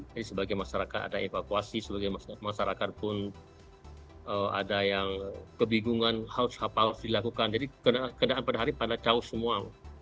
jadi sebagai masyarakat ada evakuasi sebagai masyarakat pun ada yang kebingungan harus apa harus dilakukan jadi kenaan pada hari pada jauh semua